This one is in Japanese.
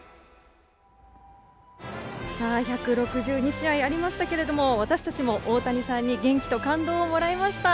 １６２試合ありましたけれども私たちも大谷さんに元気と感動をもらいました。